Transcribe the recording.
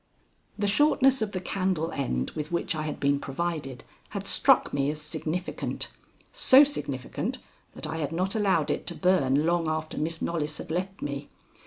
The shortness of the candle end with which I had been provided had struck me as significant, so significant that I had not allowed it to burn long after Miss Knollys had left me.